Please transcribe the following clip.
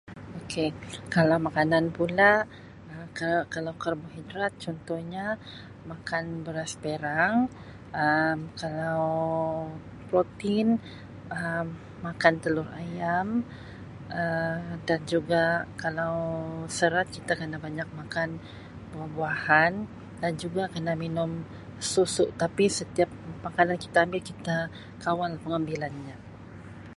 Ok kalau makanan pula Um ka-kalau karbohidrat contohnya makan beras perang Um kalau protein Um makan telur ayam Um dan juga kalau serat kita kena banyak makan buah-buahan dan juga kena minum susu tapi setiap makanan kita ambil kita kawal pengambilan nya.